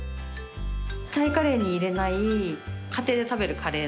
タイカレーに入れない家庭で食べるカレーの要素。